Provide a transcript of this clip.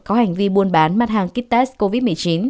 có hành vi buôn bán mặt hàng kết test covid một mươi chín